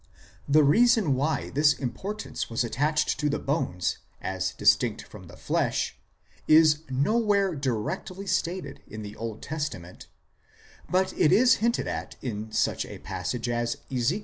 The reason why this importance was attached to the bones, as distinct from 22 IMMORTALITY AND THE UNSEEN WORLD the flesh, is nowhere directly stated in the Old Testament ; but it is hinted at in such a passage as Ezek.